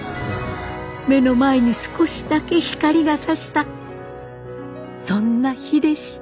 目の前に少しだけ光がさしたそんな日でした。